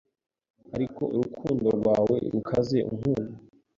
Ariko urukundo rwawe rukaze unkunda